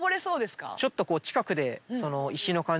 ちょっと近くで。